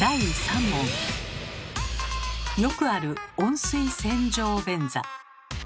よくある温水洗浄便座。